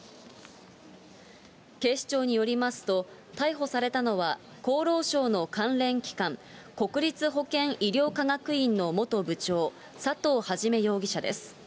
警視庁によりますと、逮捕されたのは、厚労省の関連機関、国立保健医療科学院の元部長、佐藤元容疑者です。